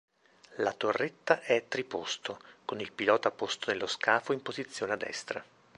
La torretta è triposto, con il pilota posto nello scafo in posizione a destra.